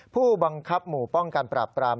ผู้บังคับหมู่ป้องกันปราบปราม